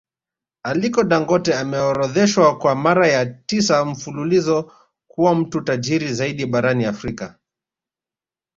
Aliko Dangote ameorodheshwa kwa mara ya tisa mfululizo kuwa mtu tajiri zaidi barani Afrika